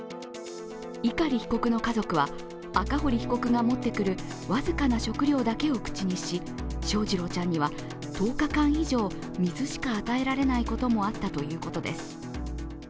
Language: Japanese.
碇被告の家族は赤堀被告が持ってくる僅かな食料だけを口にし翔士郎ちゃんには、１０日間以上水しか与えられないこともあったということです。